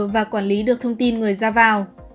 và quản lý được thông tin người ra vào